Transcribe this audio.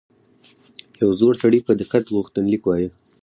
یو زوړ سړي په دقت غوښتنلیک وایه.